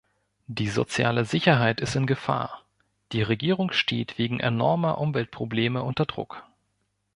Die soziale Sicherheit ist in Gefahr, die Regierung steht wegen enormer Umweltprobleme unter Druck.